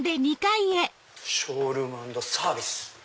ショールーム＆サービス。